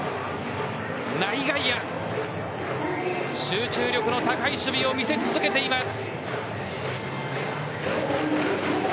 内外野集中力の高い守備を見せ続けています。